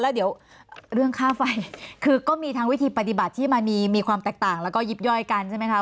แล้วเดี๋ยวเรื่องค่าไฟคือก็มีทั้งวิธีปฏิบัติที่มันมีความแตกต่างแล้วก็ยิบย่อยกันใช่ไหมคะ